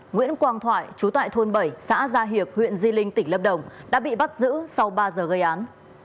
nguyễn quang thoại chú tại thôn bảy xã gia hiệp huyện di linh tỉnh lâm đồng đã bị bắt giữ sau ba giờ gây án